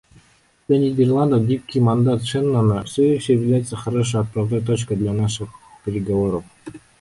Для Нидерландов гибкий мандат Шеннона все еще является хорошей отправной точкой для наших переговоров.